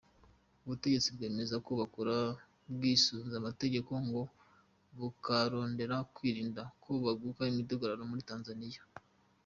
Ubutegetsi bwemeza ko bukora bwisunze amategeko, ngo bukarondera kwirinda ko haduka imidugararo muri Tanzaniya.